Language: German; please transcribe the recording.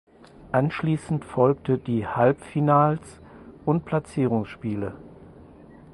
Anschließend folgte die Halbfinals und Platzierungsspiele.